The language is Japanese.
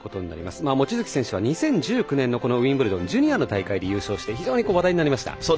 望月選手は、２０１９年のこのウィンブルドンのジュニアの大会で優勝して非常に話題になりました。